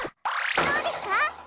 どうですか？